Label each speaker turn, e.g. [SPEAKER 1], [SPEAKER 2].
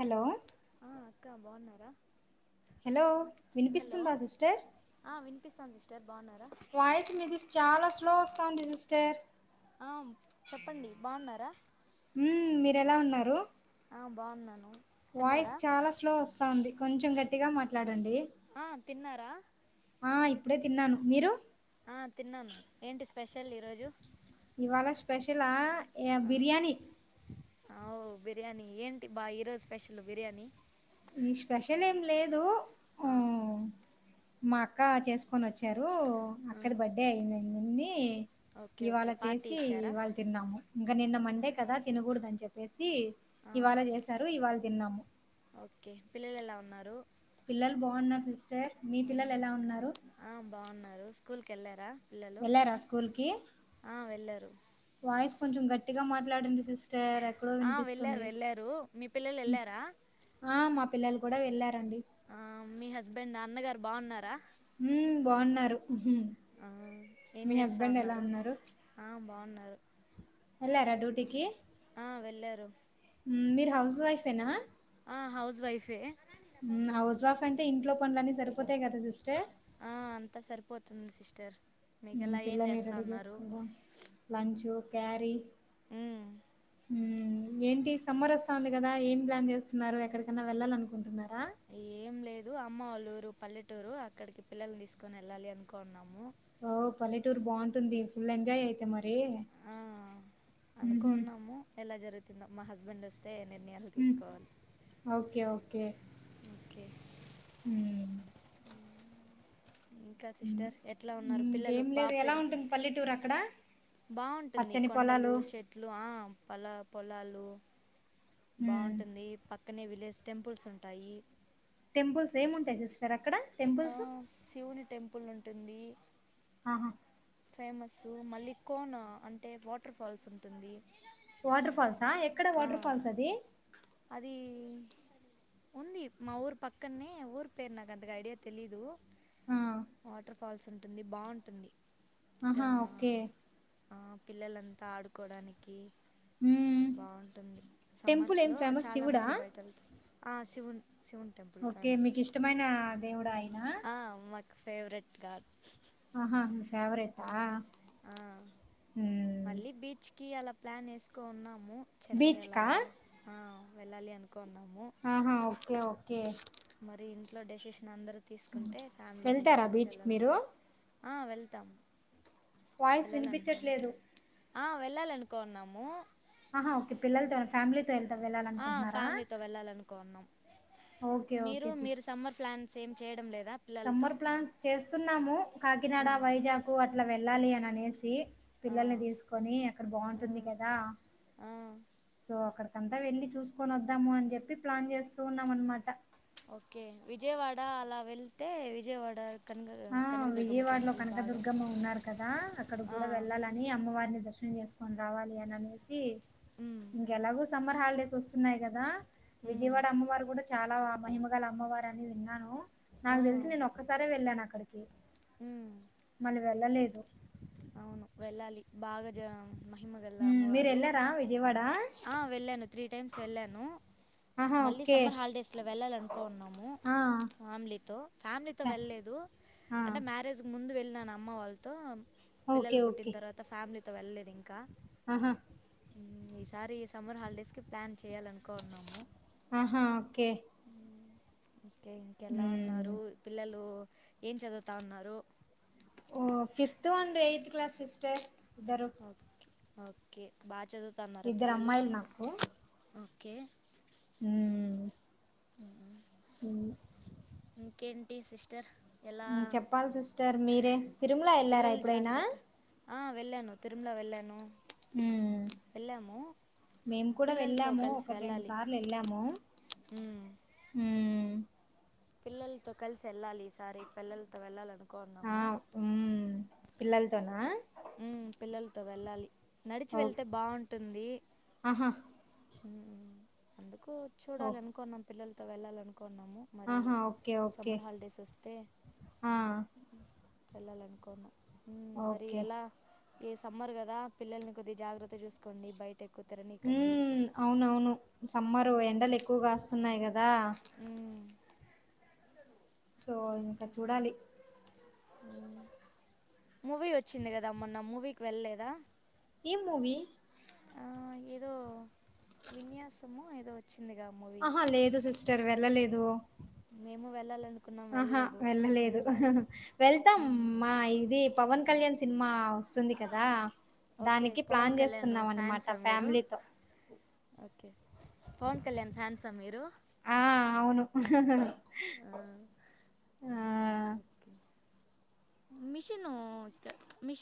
[SPEAKER 1] Hello
[SPEAKER 2] క్కా బావున్నార
[SPEAKER 1] hello వినిపిస్తుందా సిస్టర్
[SPEAKER 2] పిస్పంది సి
[SPEAKER 1] వాయిస్ మీది చాలా స్ స్లో వస్తాంది సిస్టర్
[SPEAKER 2] ఆ మ్ చెప్పండి బాగున్నారా
[SPEAKER 1] మ్మ్ మీరు ఎలా ఉన్నారు
[SPEAKER 2] ఆ బాగున్నాను
[SPEAKER 1] వాయిస్
[SPEAKER 2] తిన్నారా
[SPEAKER 1] చాలా స్లో వస్ తా ఉంది కొంచెం గట్టిగా మాట్లాడండి
[SPEAKER 2] ఆ తిన్నారా
[SPEAKER 1] ఆ ఇప్పుడే తిన్నాను మీరు
[SPEAKER 2] స్పెషల్ ఈరోజు
[SPEAKER 1] ఇవాళ స్పెషలా బిర్యానీ
[SPEAKER 2] ఆవ్ అ బిర్యానీ ఏంటి బా ఈరోజు స్పెషల్ బిర్యానీ
[SPEAKER 1] ఈ స్పెషల్ ఏం లేదు
[SPEAKER 2] ఆ
[SPEAKER 1] మా అక్క చేసుకొని వచ్చారు
[SPEAKER 2] ఆ,
[SPEAKER 1] అక్కది బర్డే అయింది నిన్ని
[SPEAKER 2] ఓకే ఓకే
[SPEAKER 1] ఇవాళ
[SPEAKER 2] పార్టీ
[SPEAKER 1] చేసి
[SPEAKER 2] ఇచ్చారా
[SPEAKER 1] ఇవాళ తిన్నాము ఇంకా నిన్న మండే కదా తినకూడదు అని చెప వచ్చి
[SPEAKER 2] ఆ
[SPEAKER 1] ఇవాళ
[SPEAKER 2] ఓకే
[SPEAKER 1] చేసారు ఇవాళ తిన్నాము
[SPEAKER 2] ఓకే పిల్లలు ఎలా ఉన్నారు
[SPEAKER 1] పిల్లలు బాగున్నారు సిస్టర్ మీ
[SPEAKER 2] ఆ
[SPEAKER 1] పిల్లలు ఎలా ఉన్నారు
[SPEAKER 2] కెళ్ళరా
[SPEAKER 1] వెళ్ళారా స్కూల్ కి
[SPEAKER 2] వెళ్ళారు
[SPEAKER 1] వాయిస్ కొంచెం గట్టిగా మట్ లా సిస్టర్ ఎక్కడో
[SPEAKER 2] ఆ వెళ్ళారు
[SPEAKER 1] వినిపిస్తుంది
[SPEAKER 2] వెళ్ళారు మీ పిల్లలు వెళ్ళారా
[SPEAKER 1] ఆ మా పిల్లల కూడా వెళ్ళారండి
[SPEAKER 2] ఆ మీ హస్బెండ్ నాన్నగారు బావున్నారా
[SPEAKER 1] హుమ్ బావున్నారు
[SPEAKER 2] ఆ, ఏం
[SPEAKER 1] మీ
[SPEAKER 2] చేస్తా
[SPEAKER 1] హస్బెండ్ ఎలా ఉన్నారు
[SPEAKER 2] ఆ, ఉన్నారు
[SPEAKER 1] ఎల్లారా డ్యూటీకి
[SPEAKER 2] ఆ వెళ్ళారు
[SPEAKER 1] హ్మ్. మీరు హౌస్ వైఫేనా
[SPEAKER 2] ఆ హౌస్ వైఫే
[SPEAKER 1] హౌజ్ వాఫ్ అంటే ఇంట్లో పనులని సరిపోతాయి కదా సిస్టర్
[SPEAKER 2] ఆ అంతా సరిపోతుంది సిస్టర్ మీకు ఎలా ఏం
[SPEAKER 1] పిల్లల్ని
[SPEAKER 2] చేస్తా
[SPEAKER 1] రెడీ
[SPEAKER 2] ఉన్నారు
[SPEAKER 1] చేసుకోవడం లంచు క్యారీ
[SPEAKER 2] ఉహ్మ్మ్
[SPEAKER 1] ఏంటి సమ్మర్ వస్తాంది కదా ఏం ప్లాన్ చేస్తున్నారు ఎక్కడికన్నా వెళ్ళాలి అనుకుంటున్నారా
[SPEAKER 2] ఏం లేదు అమ్మ వాళ్ళ పల్లెటూరు అక్కడికి పిల్లల్ని తీసుకుొని వెళ్ళాలి అనుకున్నాము
[SPEAKER 1] ఓ పల్లెటూర్ బావుంటుంది ఫుల్ ఎంజాయ్ అయితే మరి
[SPEAKER 2] ఆ,
[SPEAKER 1] హుహు.
[SPEAKER 2] అనుకున్నాము ఎలా జరుగు తిను మా హస్బెండ్స్
[SPEAKER 1] హ్మ్మ్ ఓకే ఓకే
[SPEAKER 2] ఓకే
[SPEAKER 1] హుమ్మ్
[SPEAKER 2] ఇంకా సిస్టర్ ఎట్లా ఉన్నారు పిల్లలు
[SPEAKER 1] ఇంకేం లేదు
[SPEAKER 2] బాబు
[SPEAKER 1] ఎలా
[SPEAKER 2] పేరు
[SPEAKER 1] ఉంటుంది పల్లెటూరు అక్కడ
[SPEAKER 2] బాగుంటుంది
[SPEAKER 1] పచ్చని
[SPEAKER 2] కొండలు
[SPEAKER 1] పొలాలు.
[SPEAKER 2] చెట్లు ఆ పలా పొలాలు
[SPEAKER 1] హ్మ్.
[SPEAKER 2] బాగుంటుంది పక్ పక్కనే విలేజ్ టెంపుల్స్ ఉంటాయి
[SPEAKER 1] టెంపుల్స్ ఏమి ఉంటయ్ జస్ సార్ అక్కడ టెంపుల్స్
[SPEAKER 2] పులు ఉంటుంది
[SPEAKER 1] ఆ
[SPEAKER 2] ఫేమస్ మళ్ళి కోన అంటే వాటర్ ఫాల్స్ ఉంటుంది.
[SPEAKER 1] వాటర్ ఫాల్సా ఎక్కడ
[SPEAKER 2] ఆ
[SPEAKER 1] వాటర్ ఫాల్స్ అది.
[SPEAKER 2] అది ఉంది. మా ఊరు పక్కన్నే ఊరి పేరు నాకు అంతగా ఐడియా తెలీదు.
[SPEAKER 1] ఆ!
[SPEAKER 2] వాటర్ కావాల్సి ఉంటుంది బాగుంటుంది ఆ
[SPEAKER 1] ఆహా ఓకే
[SPEAKER 2] ఆ పిల్లలంతా ఆడుకోడానికి
[SPEAKER 1] హ్మ్.
[SPEAKER 2] బాగుంటుంది
[SPEAKER 1] టెంపుల్
[SPEAKER 2] సమ్మర్స్
[SPEAKER 1] ఏం
[SPEAKER 2] లో
[SPEAKER 1] ఫేమస్
[SPEAKER 2] చాలా
[SPEAKER 1] శివుడా?
[SPEAKER 2] మంది బట్టల్ ఆ శివున్
[SPEAKER 1] ఓకే మీకు ఇష్టమైన దేవుడాయనా
[SPEAKER 2] ఆ మాకు ఫేవరెట్ గా
[SPEAKER 1] ఆహాహ్ ఫేవరెట్ ఆ ఊ
[SPEAKER 2] కి అలా ప్లాన్ వేసుకోన్నాం ము చెన్నై అలా
[SPEAKER 1] బీచ్‌కా?
[SPEAKER 2] వెళ్ళి ఆ వెళ్ళాలి అను
[SPEAKER 1] ఆహా ఓకే ఓక్ కే
[SPEAKER 2] మరి ఇంట్లో డెసస్ న అందరు తీసుకుంటే ఫ్యామిలీ అందరూ
[SPEAKER 1] వెళ్తారా
[SPEAKER 2] కలిసి
[SPEAKER 1] బీచ్‌కి
[SPEAKER 2] వెళ్ళాలని
[SPEAKER 1] మీరు?
[SPEAKER 2] అనుకున్ ఆ వెళ్తాం
[SPEAKER 1] వాయిస్
[SPEAKER 2] వెళ్ళాలనుకోను
[SPEAKER 1] వినిపించట్లేదు
[SPEAKER 2] ఆ వెళ్ళాల అనుకోన్నాము
[SPEAKER 1] ఆహా ఓకే పిల్లలతో ఫ్యామిలీ వెళ్తా వెళ్ళాలి
[SPEAKER 2] ఆ
[SPEAKER 1] అనుకుంటున్నారా
[SPEAKER 2] ఫ్యామిలీతో వెళ్ళాలనుకున్నాం
[SPEAKER 1] ఓకే ఓకే సిస్
[SPEAKER 2] సేమ్ చేయడం లేదు
[SPEAKER 1] సమ్మర్ ప్లాన్స్ చేస్తున్నాము కాకినాడ వైజాకు అట్ ట్లా వెళ్ళాలి అని అనేసి
[SPEAKER 2] ఆ
[SPEAKER 1] పిల్లల్ని తీసుకొని అక్కడ
[SPEAKER 2] ఆ
[SPEAKER 1] బాగుంటుంది కదా
[SPEAKER 2] ఆ
[SPEAKER 1] సో అక్కడ అంతా వెళ్లి చూసుకొని వద్దాము అని చెప్పి ప్లాన్ చేస్తూ ఉన్నాం అన్ మాట
[SPEAKER 2] ఓకే విజయవాడ అలా వెళ్తే విజయవాడ కనక
[SPEAKER 1] ఆ
[SPEAKER 2] కనకదుర్గమ్మ
[SPEAKER 1] విజయవాడలో
[SPEAKER 2] టెంపుల్ బాగా
[SPEAKER 1] కనకదుర్గమ్మ ఉన్నారు కదా అక్కడ
[SPEAKER 2] ఆ
[SPEAKER 1] కూడా వెళ్ళాలని అమ్మవారిని దర్శనం చేసు కొని రావాలి అని అనేసి
[SPEAKER 2] మ్మ్
[SPEAKER 1] ఇంకా ఎలాగో సమ్మర్ హాలిడేస్ వస్తున్నాయి కదా
[SPEAKER 2] మ్మ్
[SPEAKER 1] విజయవాడ అమ్మవారు కూడా చాలా మహిమగల అమ్మవారు అని విన్నాను
[SPEAKER 2] ఆ
[SPEAKER 1] నాకు తెలిసి నేను ఒక్కసారే వెళ్ళాన నుకు
[SPEAKER 2] మ్మ్
[SPEAKER 1] మల్ వెళ్ళలేదు
[SPEAKER 2] అవును వెళ్ళాలి బాగా జం మహిమగల్లా
[SPEAKER 1] హ్మ్.
[SPEAKER 2] అమ్మవారు
[SPEAKER 1] మీరెళ్లారా విజయవాడ?
[SPEAKER 2] వెళ్ళాను త్రీ టైమ్స్ వెళ్ళాను
[SPEAKER 1] ఆహా!
[SPEAKER 2] మళ్ళీ
[SPEAKER 1] ఓకే.
[SPEAKER 2] సమ్మర్ హాలిడేస్లో వెళ్ళాలనుకున్నాము
[SPEAKER 1] ఆ!
[SPEAKER 2] ఫ్యామిలీతో ఫ్యామిలీతో
[SPEAKER 1] ఫె
[SPEAKER 2] వెళ్లేదు
[SPEAKER 1] ఆ!
[SPEAKER 2] అంటే మ్యారేజ్ ముందు వెళ్ నాన మ్మా వాళ్ ఆ త్
[SPEAKER 1] ఓకే.
[SPEAKER 2] పిల్లలు పుట్టిన
[SPEAKER 1] ఓకే.
[SPEAKER 2] తర్వాత ఫా ఫ్యామిలీతో వెళ్లేదు ఇంకా
[SPEAKER 1] ఆహా
[SPEAKER 2] ఈసారి ఈ సమ్మర్ హాలిడేస్ కి ప్లాన్ చెయ్యాల అనుకోన్నాము
[SPEAKER 1] ఆహా ఓకే
[SPEAKER 2] ఇంకే ఇంకెలా
[SPEAKER 1] హ్మ్.
[SPEAKER 2] ఉన్నారు పిల్లలు ఏం చదువుతా ఉన్నారు
[SPEAKER 1] ఓ fifth and eighth class sister ద్దరు
[SPEAKER 2] ఓకే ఓకే బా చదువుతన్నారా పిల్లలు
[SPEAKER 1] అమ్మాయిలు
[SPEAKER 2] కే
[SPEAKER 1] హుం
[SPEAKER 2] ఉ
[SPEAKER 1] హు
[SPEAKER 2] ఇంకేంటి సిస్టర్ ఎలా
[SPEAKER 1] చెప్పాలి సిస్టర్ మీరే తిరుమల వెళ్ళారా
[SPEAKER 2] పిల్లలు
[SPEAKER 1] ఎప్పుడైనా
[SPEAKER 2] జాగ్రత్త ఆ వెళ్ళాను తిరుమల వెళ్ళాను
[SPEAKER 1] హుం
[SPEAKER 2] వెళ్ళాము
[SPEAKER 1] మేము కూడా
[SPEAKER 2] పిల్లలతో
[SPEAKER 1] వెళ్ళాము
[SPEAKER 2] కలిసి
[SPEAKER 1] ఒకట్ రెండు
[SPEAKER 2] వెళ్ళాలి
[SPEAKER 1] సార్లు వెళ్ళాము
[SPEAKER 2] ఉమ్,
[SPEAKER 1] హుం
[SPEAKER 2] పిల్లలతో కలిసి వెళ్ళాలి ఈసారి పిల్లలతో వెళ్ళాలను
[SPEAKER 1] ఆ
[SPEAKER 2] కున్నము
[SPEAKER 1] ఉమ్ పిల్లలతోనా
[SPEAKER 2] ఉ పిల్లలతో వెళ్ళాలి నడిచి
[SPEAKER 1] ఓ
[SPEAKER 2] వెళ్తే బాగుంటుంది
[SPEAKER 1] ఆహా
[SPEAKER 2] హు అందుకు
[SPEAKER 1] ఓ
[SPEAKER 2] చూడాలనుకున్నాం పిల్లల్ తో వెళ్ళాలన్ అను కొన్నాము మరి
[SPEAKER 1] ఆహా ఓకే ఓకే
[SPEAKER 2] సమ్మర్ హాలిడేస్ వస్తే
[SPEAKER 1] ఆ
[SPEAKER 2] వెళ్ళాలనుకున్న హు మరి
[SPEAKER 1] ఓకే
[SPEAKER 2] ఎలా ఇగ సమ్మర్ కదా పిల్లల్ని కొద్ది జాగ్రత్త చూసుకోండి బయట ఎక్కు తిరని కండి
[SPEAKER 1] హు అవునవును సమ్మరు ఎండలు ఎక్కువగాస్తున్నాయి కద్ ఆ సో ఇంకా చూడాలి
[SPEAKER 2] మూవీ వచ్చింది కదా మొన్న మూవీకి వెళ్ళలేదా
[SPEAKER 1] ఎం మూవీ
[SPEAKER 2] ఆ ఏదో విన్యాసమొ ఏదో వచ్
[SPEAKER 1] ఆహా లేదు సిస్టర్ వే ళ్ళలేదు
[SPEAKER 2] మేము వెళ్ళాలన్
[SPEAKER 1] ఆహా వెళ్ళలేదు వెళ్తాం మా ఇది పవన్ కళ్యాణ్ సినిమా వస్తుంది కదా
[SPEAKER 2] ఓకే
[SPEAKER 1] దానికి
[SPEAKER 2] పవన్
[SPEAKER 1] ప్లాన్
[SPEAKER 2] కళ్యాణ్
[SPEAKER 1] చేస్తున్నాం అన్నమాట
[SPEAKER 2] ఫ్యాన్సా మీరు
[SPEAKER 1] ఫ్యామిలీతో
[SPEAKER 2] ఓకే పవన్ కళ్యాణ్ ఫ్యాన్సా మీరు
[SPEAKER 1] అహ
[SPEAKER 2] మిషిను మిషిన్